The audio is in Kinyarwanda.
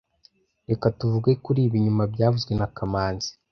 Reka tuvuge kuri ibi nyuma byavuzwe na kamanzi